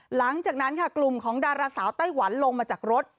หลังจากนั้นค่ะกลุ่มของดาราสาวไต้หวันลงมาจากรถ